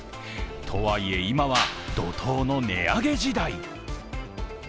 とはいえ、今は怒とうの値上げ時代。